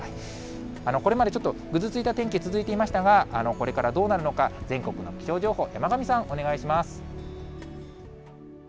これまでちょっとぐずついた天気、続いていましたが、これからどうなるのか、全国の気象情報、山神さん、お願いします。